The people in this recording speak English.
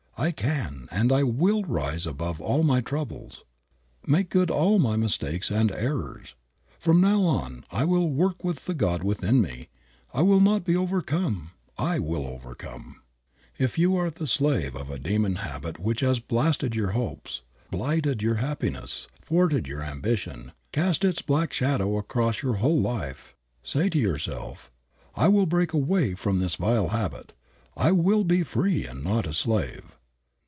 I can and I will rise above all my troubles, make good all my mistakes and errors. From now on I will work with the God in me. I will not be overcome. I will overcome." If you are the slave of a demon habit which has blasted your hopes, blighted your happiness, thwarted your ambition, cast its black shadow across your whole life, say to yourself: "I will break away from this vile habit. I will be free and not a slave."